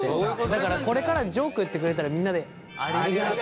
だからこれからジョーク言ってくれたらみんなでやめろ！